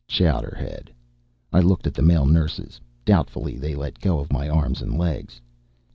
"Chowderhead." I looked at the male nurses. Doubtfully, they let go of my arms and legs.